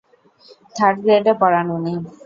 Third গ্রেডে পড়ান উনি!